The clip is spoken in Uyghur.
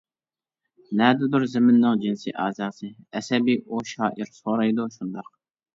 نەدىدۇر زېمىننىڭ جىنسىي ئەزاسى؟ ئەسەبىي ئۇ شائىر سورايدۇ شۇنداق.